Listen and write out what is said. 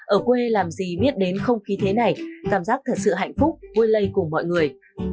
ở quê làm gì biết đến không khí thế này cảm giác thật sự hạnh phúc vui lây cùng mọi người